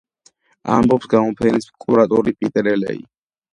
ამბობს გამოფენის კურატორი პიტერ ელეი.